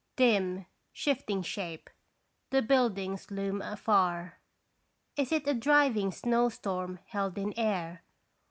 Dim, shifting shape, the buildings loom afar, Is it a driving snowstorm held in air?